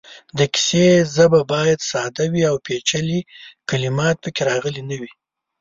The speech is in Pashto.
د کیسې ژبه باید ساده وي او پېچلې کلمات پکې راغلې نه وي.